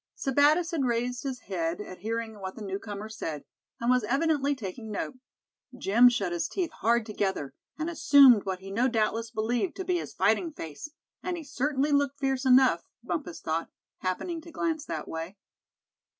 Sebattis had raised his head at hearing what the newcomer said, and was evidently taking note; Jim shut his teeth hard together, and assumed what he no doubtless believed to be his "fighting face"; and he certainly looked fierce enough, Bumpus thought, happening to glance that way.